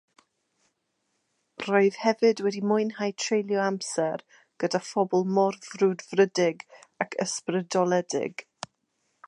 Rwyf hefyd wedi mwynhau treulio amser gyda phobl mor frwdfrydig ac ysbrydoledig